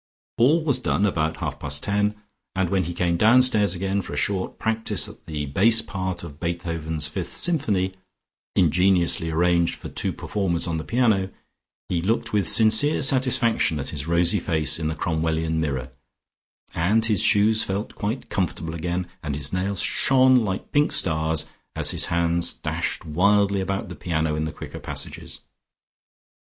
All was done about half past ten, and when he came downstairs again for a short practice at the bass part of Beethoven's fifth symphony, ingeniously arranged for two performers on the piano, he looked with sincere satisfaction at his rosy face in the Cromwellian mirror, and his shoes felt quite comfortable again, and his nails shone like pink stars, as his hands dashed wildly about the piano in the quicker passages.